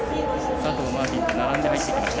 佐藤、マーティンと並んで入ってきました。